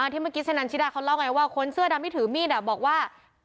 ที่เมื่อกี้ชะนันชิดาเขาเล่าไงว่าคนเสื้อดำที่ถือมีดบอกว่า